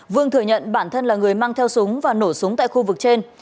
vương thừa nhận bản thân là người mang theo súng và nổ súng tại khu vực trên